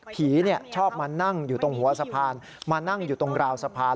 ผีชอบมานั่งอยู่ตรงหัวสะพานมานั่งอยู่ตรงราวสะพาน